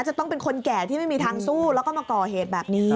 จะต้องเป็นคนแก่ที่ไม่มีทางสู้แล้วก็มาก่อเหตุแบบนี้